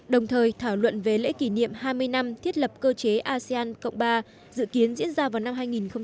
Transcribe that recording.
đồng thời thảo luận về lễ kỷ niệm hai mươi năm thiết lập cơ chế asean cộng ba dự kiến diễn ra vào năm hai nghìn hai mươi